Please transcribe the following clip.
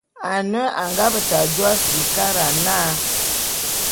Ane a nga beta jô Afrikara na.